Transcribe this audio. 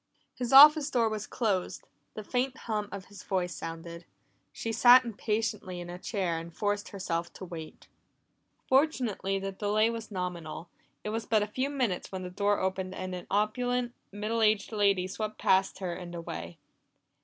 His office door was closed; the faint hum of his voice sounded. She sat impatiently in a chair and forced herself to wait. Fortunately, the delay was nominal; it was but a few minutes when the door opened and an opulent, middle aged lady swept past her and away.